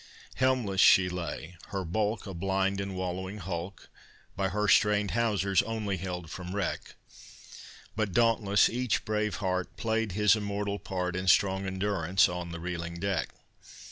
Helmless she lay, her bulk A blind and wallowing hulk, By her strained hawsers only held from wreck, But dauntless each brave heart Played his immortal part In strong endurance on the reeling deck.